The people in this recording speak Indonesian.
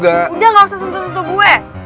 udah gak usah sentuh sentuh gue